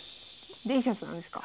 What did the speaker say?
デリシャスなんですか？